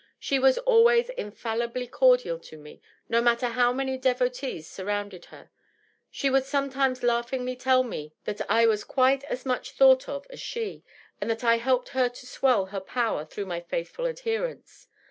She was always infallibly cordial to me, no matter how many devotees surrounded her. She would sometimes laughingly tell me that I was quite as much thought of as she, and that I helped to swell her power through my faithful adherence.